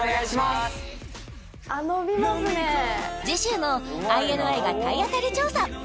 次週もＩＮＩが体当たり調査！